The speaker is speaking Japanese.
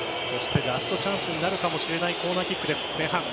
ラストチャンスになるかもしれないコーナーキックです。